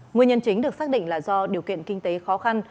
nguyên nhân chính được xác định là do điều kiện kinh tế khó khăn